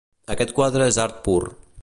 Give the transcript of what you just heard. Aquest quadre és art pur.